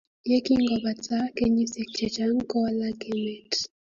Ye kingopata kenyisiek chechang kowalak emet